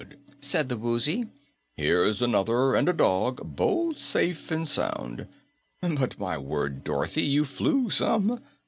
said the Woozy. "Here's another and a dog, both safe and sound. But my word, Dorothy, you flew some!